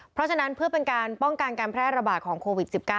เพราะฉะนั้นเพื่อเป็นการป้องกันการแพร่ระบาดของโควิด๑๙